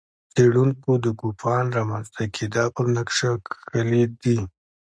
څېړونکو د کوپان رامنځته کېدا پر نقشه کښلي دي.